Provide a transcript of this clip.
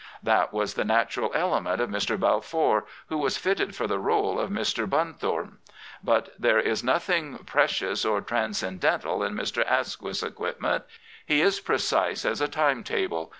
That was the natural element of Mr. Balfour, who was fitted for the rdle of Mr. Bunthome. But there is nothing precious or transcendental in Mr. Asquith^s equipment. He is precise as a time table.